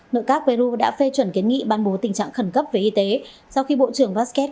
nội các peru đã phê chuẩn kiến nghị ban bố tình trạng khẩn cấp về y tế sau khi bộ trưởng vasket